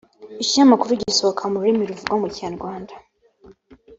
ikinyamakuru gisohoka mu rurimi ruvugwa mu rwanda